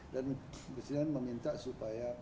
dan presiden meminta supaya